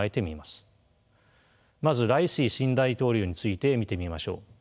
まずライシ新大統領について見てみましょう。